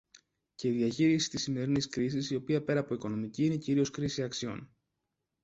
και διαχείρισης της σημερινής κρίσης, η οποία πέρα από οικονομική είναι κυρίως κρίση αξιών.